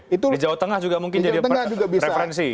di jawa tengah juga mungkin jadi referensi